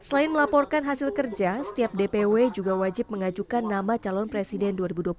selain melaporkan hasil kerja setiap dpw juga wajib mengajukan nama calon presiden dua ribu dua puluh empat